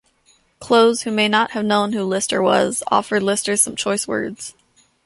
Close, who may not have known who Lister was, offered Lister some choice words.